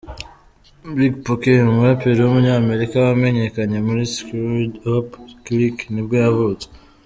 Big Pokey, umuraperi w’umunyamerika wamenyekanye muri Screwed Up Click nibwo yavutse.